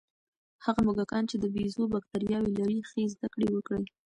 هغه موږکان چې د بیزو بکتریاوې لري، ښې زده کړې وکړې.